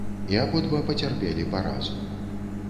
І абодва пацярпелі паразу.